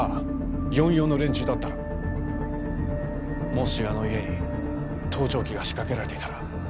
もしあの家に盗聴器が仕掛けられていたら。